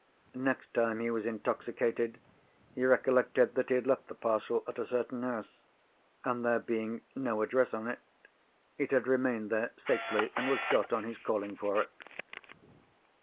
Next time he was intoxicated, he recollected that he had left the parcel at a certain house, and there being no address on it, it had remained there safely, and was got on his calling for it."